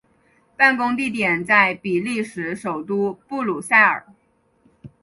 办公地点在比利时首都布鲁塞尔。